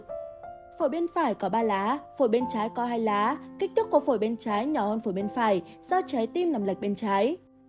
trong bên phải có ba lá phổi bên trái có hai lá kích thích có phổi bên trái nhỏ hơn phổi bên phải do trái tim nằm lệch bên trái